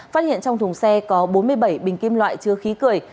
phát hiện trong thùng xe có bốn mươi bảy bình kim loại chứa khí cười